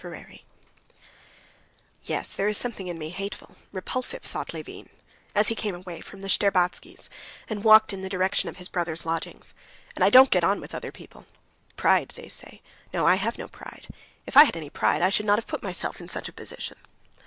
Chapter 24 "Yes, there is something in me hateful, repulsive," thought Levin, as he came away from the Shtcherbatskys', and walked in the direction of his brother's lodgings. "And I don't get on with other people. Pride, they say. No, I have no pride. If I had any pride, I should not have put myself in such a position."